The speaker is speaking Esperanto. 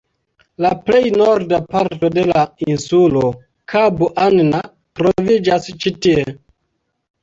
La plej norda parto de la insulo, Kabo Anna, troviĝas ĉi tie.